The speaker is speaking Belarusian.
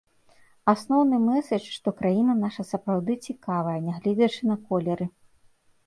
Асноўны мэсэдж, што краіна наша сапраўды цікавая, нягледзячы на колеры.